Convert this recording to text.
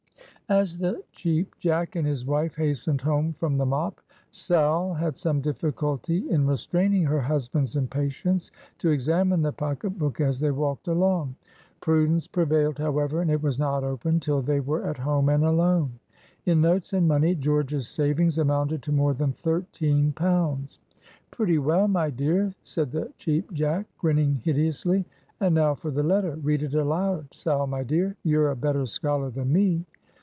As the Cheap Jack and his wife hastened home from the mop, Sal had some difficulty in restraining her husband's impatience to examine the pocket book as they walked along. Prudence prevailed, however, and it was not opened till they were at home and alone. In notes and money, George's savings amounted to more than thirteen pounds. "Pretty well, my dear," said the Cheap Jack, grinning hideously. "And now for the letter. Read it aloud, Sal, my dear; you're a better scholar than me."